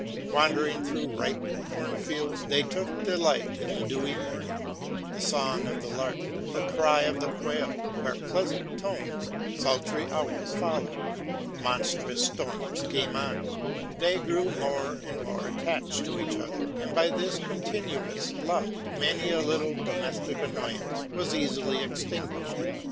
Wandering through ripe cornfields, they took delight in the dewy morn ing; the song of the lark, the ery of the quail, were pleas unt tones; sultry hours followed, monstrous storms came on, — they grew more and more attached to each other, and by this continuous love many a little domestic annoyance was easily extinguished.